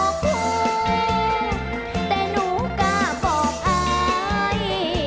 บอกราบบอกคูแต่หนูก็บอกอาย